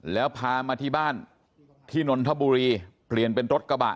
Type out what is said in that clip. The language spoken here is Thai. แล้วพามาที่บ้านที่นนทบุรีเปลี่ยนเป็นรถกระบะ